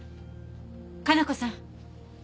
可奈子さん